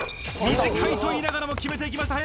短いと言いながらも決めていきました、林。